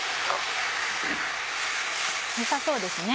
よさそうですね